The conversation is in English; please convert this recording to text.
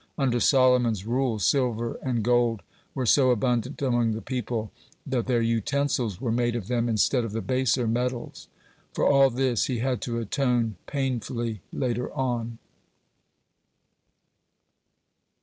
Under Solomon's rule silver and gold were so abundant among the people that their utensils were made of them instead of the baser metals. (16) For all this he had to atone painfully later on.